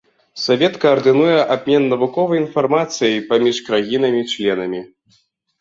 Савет каардынуе абмен навуковай інфармацыяй паміж краінамі-членамі.